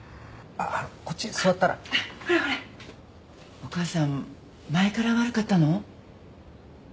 お母さん前から悪かったの？